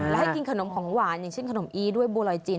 และให้กินขนมของหวานอย่างเช่นขนมอี้ด้วยบัวลอยจีน